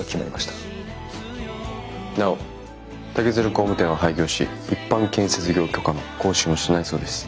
なお竹鶴工務店は廃業し一般建設業許可の更新をしないそうです。